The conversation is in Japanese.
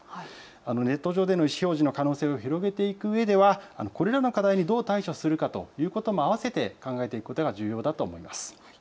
ネット上での意思表示の可能性を広げていくうえでは、これらの課題にどう対処するかということもあわせて考えていくことが重要だと思います。